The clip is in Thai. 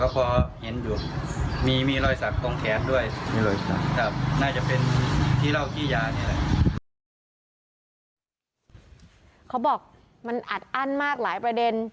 เขาบอกมันอัดอั้นมากหลายประเด็น